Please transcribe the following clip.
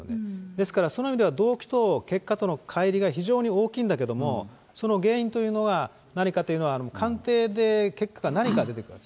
ですからその意味では動機と結果とのかい離が非常に大きいんだけれども、その原因というのは何かというのは、鑑定で結果が何か出てくる。